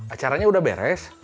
acaranya udah beres